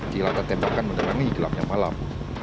dilakukan tembakan menerangi gelapnya malam